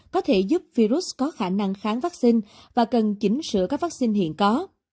có thể giúp virus có khả năng kháng vaccine và cần chỉnh sửa các vaccine hiện có